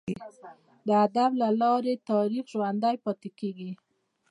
د ادب له لاري تاریخ ژوندي پاته کیږي.